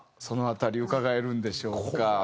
その辺り伺えるんでしょうか？